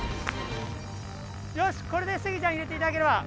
よしこれでスギちゃん入れていただければ。